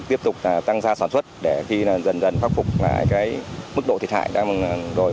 tiếp tục tăng ra sản xuất để khi là dần dần khắc phục lại cái mức độ thiệt hại đang đổi